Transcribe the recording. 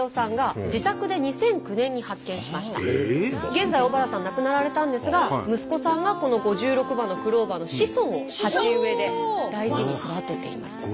現在小原さん亡くなられたんですが息子さんがこの５６葉のクローバーの子孫を鉢植えで大事に育てています。